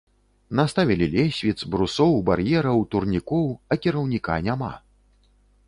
Наставілі лесвіц, брусоў, бар'ераў, турнікоў, а кіраўніка няма.